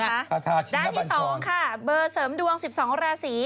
ด้านที่๒ค่ะเบอร์เสริมดวง๑๒ราศี